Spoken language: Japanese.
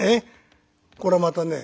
これまたね